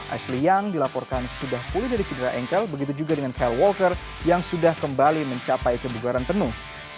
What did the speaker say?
asli yang dilaporkan sudah pulih dari cedera engkel begitu juga dengan kyle walker yang sudah kembali mencapai kebugaran penuh